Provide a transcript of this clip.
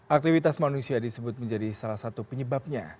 aktivitas manusia disebut menjadi salah satu penyebabnya